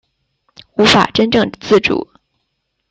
无法真正自主